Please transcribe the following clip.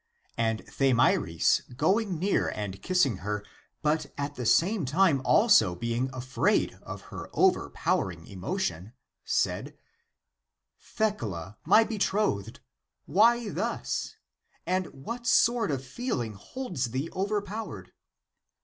And Thamyris going near, and kissing her, but at the same time also being afraid of her over powering emotion, said, " Thecla, my betrothed, why thus? And what sort of feeling holds thee overpowered